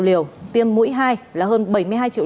liều tiêm mũi hai là hơn bảy mươi hai triệu